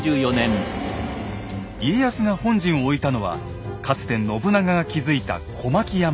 家康が本陣を置いたのはかつて信長が築いた小牧山城。